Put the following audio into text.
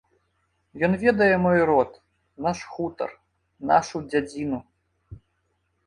Ён ведае мой род, наш хутар, нашу дзядзіну.